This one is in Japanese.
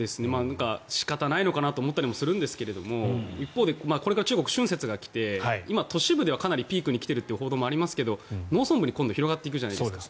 仕方ないのかなと思ったりもするんですが一方で、これから中国は春節が来て今、都市部ではかなりピークに来ているという報道がありますがこのあと農村部に広がっていくじゃないですか。